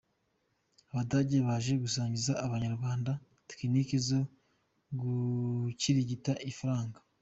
Abadage baje gusangiza Abanyarwanda tekinike zo gukirigita ifaranga .